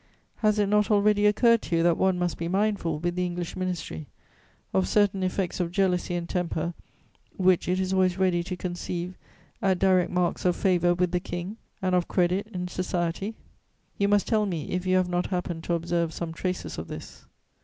Has it not already occurred to you that one must be mindful, with the English Ministry, of certain effects of jealousy and temper which it is always ready to conceive at direct marks of favour with the King and of credit in society? You must tell me if you have not happened to observe some traces of this."